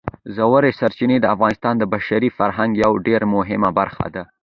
ژورې سرچینې د افغانستان د بشري فرهنګ یوه ډېره مهمه برخه ده.